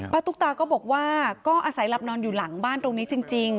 ตุ๊กตาก็บอกว่าก็อาศัยหลับนอนอยู่หลังบ้านตรงนี้จริง